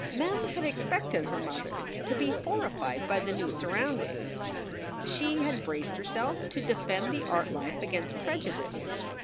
Mem had expected her mother to be horrified by the new sur roundings. She had braced herself to defend the art life against prejudice.